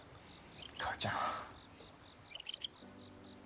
母ちゃん。